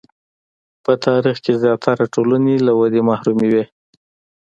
په تاریخ کې زیاتره ټولنې له ودې محرومې وې.